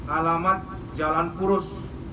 alamat jalan purus